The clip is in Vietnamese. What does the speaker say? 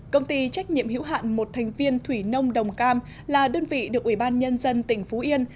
công ty trách nhiệm hữu hạn một thành viên thủy nông đồng cam là đơn vị được ủy ban nhân dân tỉnh phú yên